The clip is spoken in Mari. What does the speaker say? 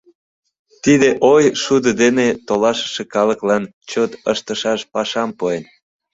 Тиде ой шудо дене толашыше калыклан чот ыштышаш пашам пуэн.